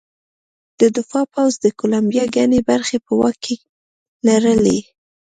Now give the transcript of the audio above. د دفاع پوځ د کولمبیا ګڼې برخې په واک کې لرلې.